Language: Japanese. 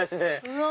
うわ！